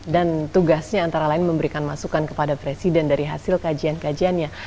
dan tugasnya antara lain memberikan masukan kepada presiden dari hasil kajian kajiannya